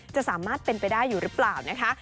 จะสามารถเป็นไปได้อยู่หรือเปล่านะคะ